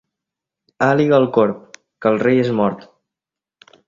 Àliga al corb, que el rei és mort.